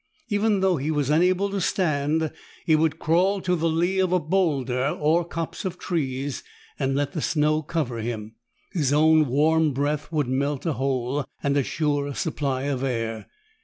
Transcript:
Even though he was unable to stand, he would crawl to the lee of a boulder or copse of trees and let the snow cover him. His own warm breath would melt a hole and assure a supply of air.